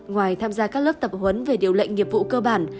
ngoài tham gia các lớp tập huấn về điều lệnh nghiệp vụ cơ bản